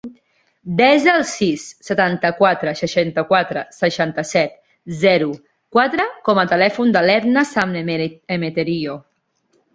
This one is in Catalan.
Desa el sis, setanta-quatre, seixanta-quatre, seixanta-set, zero, quatre com a telèfon de l'Etna San Emeterio.